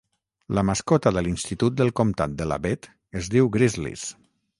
La mascota de l'institut del comtat de Labette es diu Grizzlies.